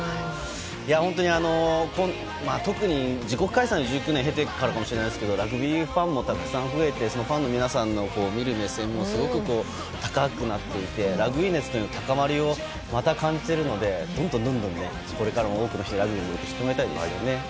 本当に、特に自国開催の１９年を経てからのこの試合ですがラグビーファンもたくさん増えてファンの皆さんの見る目線もすごく高くなっていてラグビー熱の高まりをまた感じているのでどんどんこれからも多くの人にラグビーを知ってもらいたいですよね。